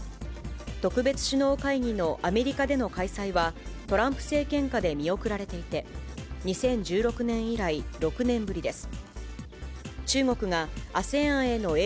特別首脳会議のアメリカでの開催は、トランプ政権下で見送られていて、２０１６年以来、６年ぶりです。